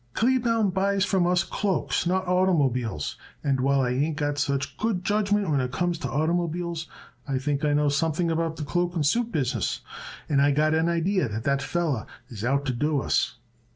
Kleebaum buys from us cloaks, not oitermobiles. And while I ain't got such good judgment when it comes to oitermobiles, I think I know something about the cloak and suit business, and I got an idea that feller is out to do us."